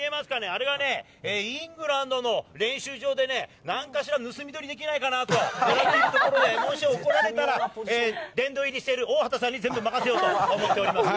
あれがイングランドの練習場で何かしら盗み取りできないかなと思ってるところでもし怒られたら、大畑さんに全部任せようと思っています。